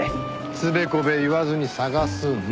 つべこべ言わずに捜すの。